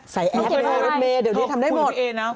ใส่แอปก็ได้ทำได้หมดเดี๋ยวนี้ทำได้หมด